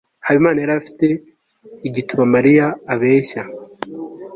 habimana yari afite igituba mariya abeshya